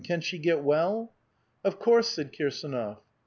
Can she get well?" 0f course," said Kirsdnof.